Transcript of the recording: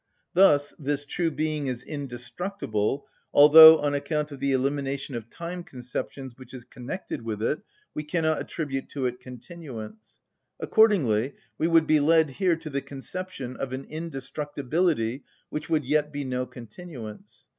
Thus this true being is indestructible, although, on account of the elimination of time‐conceptions which is connected with it, we cannot attribute to it continuance. Accordingly we would be led here to the conception of an indestructibility which would yet be no continuance.